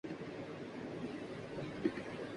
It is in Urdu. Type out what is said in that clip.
حکومت نے ملک کے بڑے گیس فیلڈز سے پیداوار روک دی